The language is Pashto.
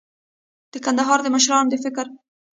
د کندهار د مشرانو د فکر